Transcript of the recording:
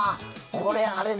これあれですね。